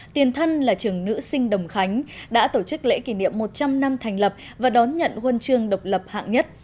tiền thân là trường nữ sinh đồng khánh đã tổ chức lễ kỷ niệm một trăm linh năm thành lập và đón nhận huân chương độc lập hạng nhất